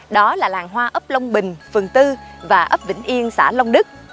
đó là làng hoa ấp long bình phường bốn và ấp vĩnh yên xã long đức